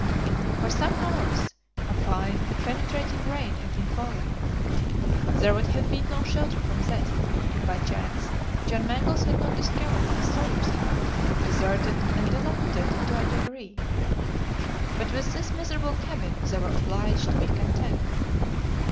For some hours, a fine but penetrating rain had been falling. There would have been no shelter from this, if by chance John Mangles had not discovered a sawyer's hut, deserted and dilapidated to a degree. But with this miserable cabin they were obliged to be content.